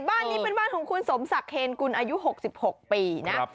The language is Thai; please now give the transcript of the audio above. บ้านนี้เป็นบ้านของคุณสมศักดิ์เคนกุลอายุ๖๖ปีนะ